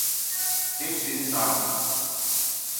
Hepsini sarma.